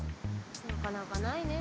なかなかないね。